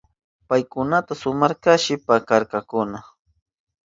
Paykunaka sumaktashi pakarkakuna.